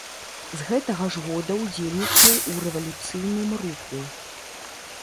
З гэта ж года ўдзельнічаў у рэвалюцыйным руху.